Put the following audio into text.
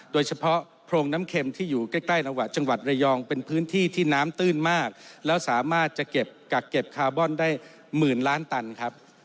โดยเฉพาะโพรงน้ำเข็มที่อยู่ใกล้ระหว่างจังหวัดระยองเป็นพื้นที่ที่น้ำตื้นมากแล้วสามารถจะเก็บกักเก็บคาร์บอนได้หมื่นล้านตันครับ